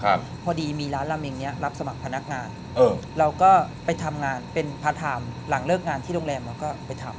พอดีมีร้านลาเมงเนี้ยรับสมัครพนักงานเออเราก็ไปทำงานเป็นพาร์ทไทม์หลังเลิกงานที่โรงแรมเราก็ไปทำ